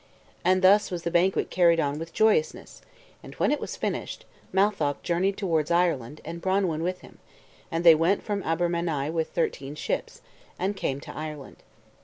And thus was the banquet carried on with joyousness; and when it was finished, Matholch journeyed towards Ireland, and Branwen with him; and they went from Aber Menei with thirteen ships, and came to Ireland.